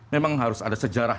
memang harus ada sejarah